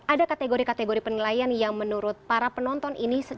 ada kategori kategori penilaian yang menurut para penonton ini